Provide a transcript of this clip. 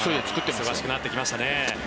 忙しくなってきましたね。